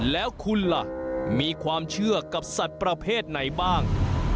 แล้วคุณล่ะมีความเชื่อกับสัตว์ประเภทไหนบ้าง